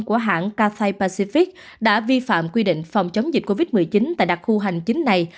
của hãng katay pacific đã vi phạm quy định phòng chống dịch covid một mươi chín tại đặc khu hành chính này